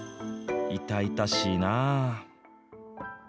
痛々しいなぁ。